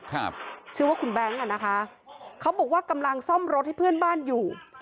ครับชื่อว่าคุณแบงค์อ่ะนะคะเขาบอกว่ากำลังซ่อมรถให้เพื่อนบ้านอยู่